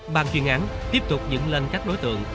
bàn chuyên án tiếp tục dựng lên các đối tượng